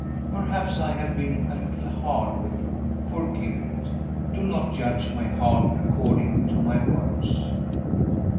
"Perhaps I have been a little hard with you. Forgive it. Do not judge my heart according to my words."